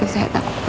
saya takut dokter